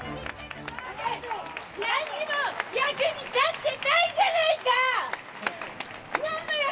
何も役に立ってないじゃないかっ！